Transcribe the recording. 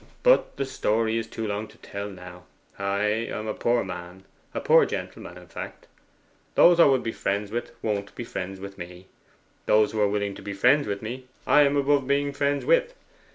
But the story is too long to tell now. Ay, I'm a poor man a poor gentleman, in fact: those I would be friends with, won't be friends with me; those who are willing to be friends with me, I am above being friends with.